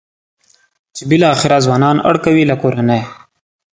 چې بالاخره ځوانان اړ کوي له کورنۍ.